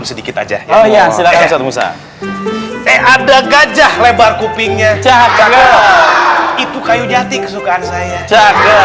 sedikit aja oh ya silahkan ustadz ada gajah lebar kupingnya itu kayu jati kesukaan saya